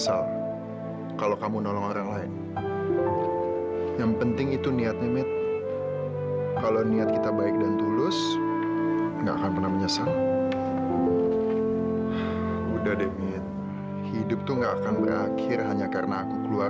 sampai jumpa di video selanjutnya